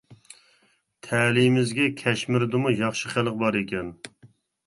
تەلىيىمىزگە كەشمىردىمۇ ياخشى خەلق بار ئىكەن.